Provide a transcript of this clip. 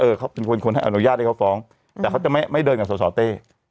เขาเป็นคนให้อนุญาตให้เขาฟ้องแต่เขาจะไม่ไม่เดินกับสสเต้